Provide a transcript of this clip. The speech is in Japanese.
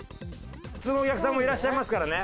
普通のお客さんもいらっしゃいますからね。